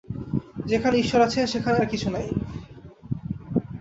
যেখানে ঈশ্বর আছেন, সেখানে আর কিছু নাই।